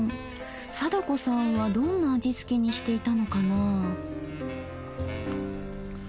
貞子さんはどんな味付けにしていたのかな？